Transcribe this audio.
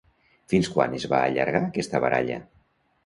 Fins quan es va allargar aquesta baralla?